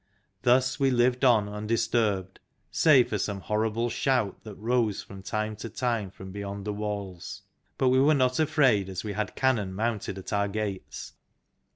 Thus we lived on undisturbed, save for some horrible shout that rose from time to time from beyond the walls ; but we were not afraid, as we had cannon mounted at our gates.